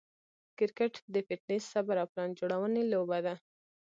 کرکټ د فټنس، صبر، او پلان جوړوني لوبه ده.